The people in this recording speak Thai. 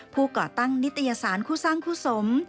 ก่อตั้งนิตยสารคู่สร้างคู่สม